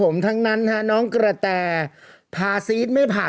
มาดามฟินค่ะต่อสาย